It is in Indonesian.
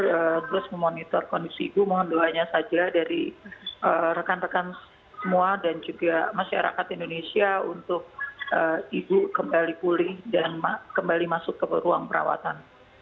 terus memonitor kondisi ibu mohon doanya saja dari rekan rekan semua dan juga masyarakat indonesia untuk ibu kembali pulih dan kembali masuk ke ruang perawatan